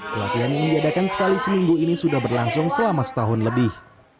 pelatihan yang diadakan sekali seminggu ini sudah berlangsung selama setahun lebih